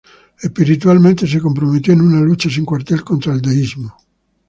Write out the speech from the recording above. Espiritualmente, se comprometió en una lucha sin cuartel contra el deísmo.